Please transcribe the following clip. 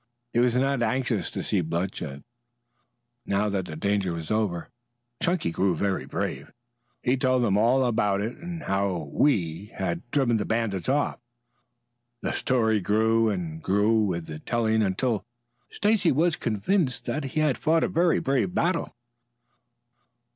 He was not anxious to see bloodshed, but now that the danger was over, Chunky grew very brave. He told them all about it and how "We" had driven the bandits off. The story grew and grew with the telling until Stacy was convinced that he had fought a very brave battle.